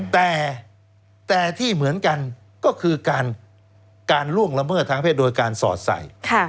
แต่ที่เหมือนกันก็คือการล่วงละเมิดทางเพศโดยการสอดใส่